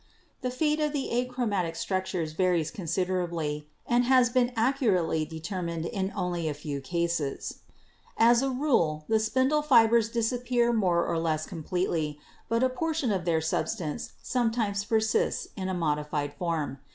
"The fate of the achromatic structures varies consider ably and has been accurately determined in only a few 86 BIOLOGY cases. As a rule the spindle fibers disappear more or less completely, but a portion of their substance sometimes per sists in a modified form.